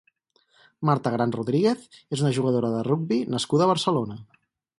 Marta Gran Rodríguez és una jugadora de rugbi nascuda a Barcelona.